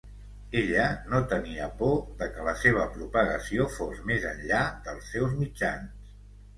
Ella no tenia por de que la seva propagació fos més enllà dels seus mitjans.